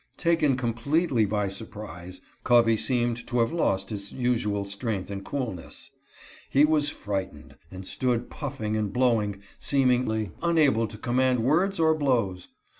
Taken completely by surprise, Covey seemed to have lost his usual strength and coolness. He was frightened, and stood puffing and blowing, seemingly unable to com BILL, THE HIRED MAN. 175 maud words or blows.